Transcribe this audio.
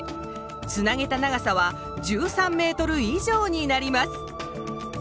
つなげた長さは１３ｍ以上になります。